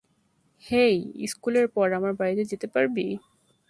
হেই, স্কুলের পর আমার বাড়িতে যেতে পারবি?